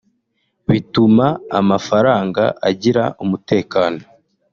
Bituma amafaranga agira umutekano